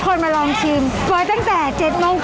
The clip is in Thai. ขอบคุณมากด้วยค่ะพี่ทุกท่านเองนะคะขอบคุณมากด้วยค่ะพี่ทุกท่านเองนะคะ